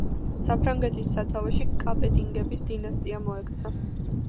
საფრანგეთის სათავეში კაპეტინგების დინასტია მოექცა.